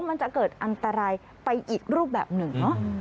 มันจะเกิดอันตรายไปอีกรูปแบบหนึ่งเนอะ